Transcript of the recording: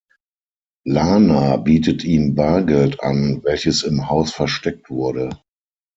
Lana bietet ihm Bargeld an, welches im Haus versteckt wurde.